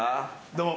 ・どうも。